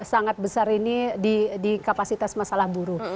sangat besar ini di kapasitas masalah buruh